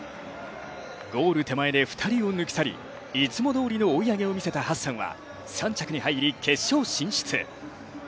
ゴール手前で２人を抜き去りいつもどおりの追い上げを見せたハッサンは３着に入り決勝進出。